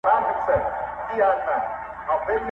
پدې سره هايبريډ حللاره رامنځته کېږي